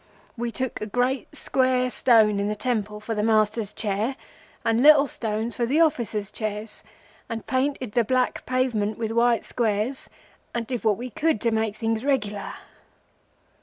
We took a great square stone in the temple for the Master's chair, and little stones for the officers' chairs, and painted the black pavement with white squares, and did what we could to make things regular.